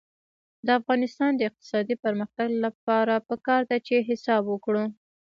د افغانستان د اقتصادي پرمختګ لپاره پکار ده چې حساب وکړو.